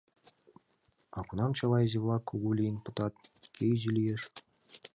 — А кунам чыла изи-влак кугу лийын пытат, кӧ изи лиеш?